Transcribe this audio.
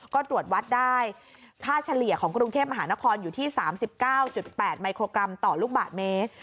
ก็ตรวจวัดได้ค่าเฉลี่ยของกรุงเทพมหานครอยู่ที่๓๙๘มิโครกรัมต่อลูกบาทเมตร